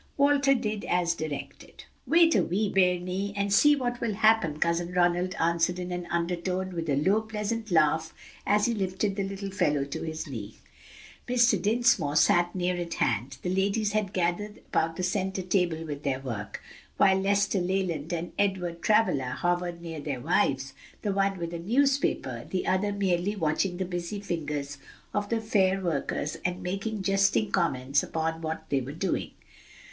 Walter did as directed. "Wait a wee, bairnie, and see what will happen," Cousin Ronald answered in an undertone, and with a low pleasant laugh as he lifted the little fellow to his knee. Mr. Dinsmore sat near at hand, the ladies had gathered about the centre table with their work, while Lester Leland and Edward Travilla hovered near their wives, the one with a newspaper, the other merely watching the busy fingers of the fair workers and making jesting comments upon what they were doing.